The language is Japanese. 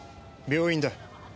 病院だ。